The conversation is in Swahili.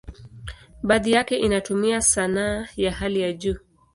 Baadhi yake inatumia sanaa ya hali ya juu.